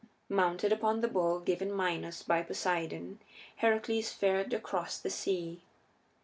Mounted upon the bull given Minos by Poseidon, Heracles fared across the sea.